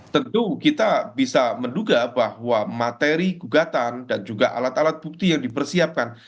tentu kita bisa menduga bahwa materi gugatan dan juga alat alat bukti yang dipersiapkan